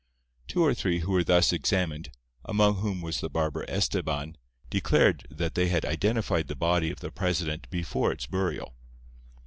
Two or three who were thus examined, among whom was the barber Estebán, declared that they had identified the body of the president before its burial.